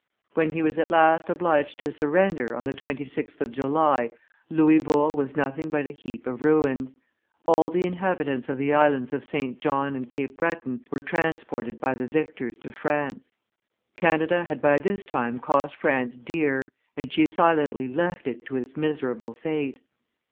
When he was at last obliged to surrender, on the 26th of July, Louisbourg was nothing but a heap of ruins; all the inhabitants of the islands of St. John and Cape Breton were transported by the victors to France. Canada had by this time cost France dear; and she silently left it to its miserable fate.